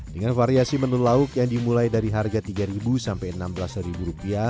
dengan variasi menu lauk yang dimulai dari harga rp tiga sampai rp enam belas